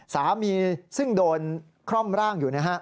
สามีซึ่งโดนคร่อมร่างอยู่นะฮะ